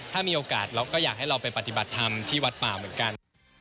ถ้ามีโอกาสเราก็อยากให้เราไปปฏิบัติธรรมที่วัดป่าเหมือนกัน